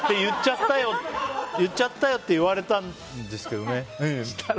って言っちゃったよって言われたんですけどね。